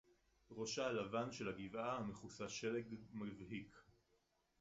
רֹאשָׁהּ הַלָּבָן שֶׁל הַגִּבְעָה הַמְּכֻסָּה שֶׁלֶג מַבְהִיק.